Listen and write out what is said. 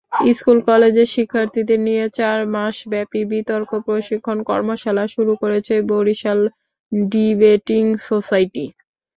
স্কুল-কলেজের শিক্ষার্থীদের নিয়ে চার মাসব্যাপী বিতর্ক প্রশিক্ষণ কর্মশালা শুরু করেছে বরিশাল ডিবেটিং সোসাইটি।